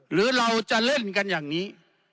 หรือเราจะเล่นกันอย่างนี้